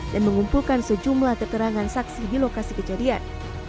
dan mengumpulkan sejumlah keterangan saksi di lokasi kejadian